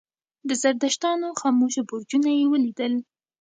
د زردشتانو خاموشه برجونه یې ولیدل.